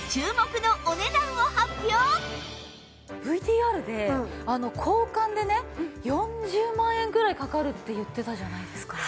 では ＶＴＲ で交換でね４０万円ぐらいかかるって言ってたじゃないですか。